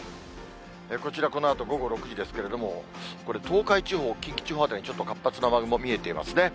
こちら、このあと午後６時ですけれども、これ、東海地方、近畿地方辺り、ちょっと活発な雨雲が見えていますね。